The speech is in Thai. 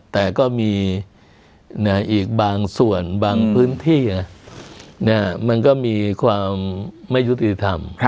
แต่ก็มีอีกบางส่วนบางพื้นที่มันก็มีความไม่ยุติธรรม